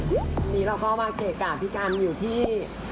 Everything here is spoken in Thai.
วันนี้เราก็มาเกะกะพี่กันอยู่ที่